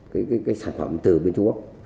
cái sản phẩm từ bên trung quốc